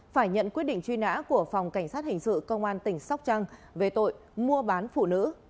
phải nhận quyết định truy nã của phòng cảnh sát hình sự công an tỉnh sóc trăng về tội mua bán phụ nữ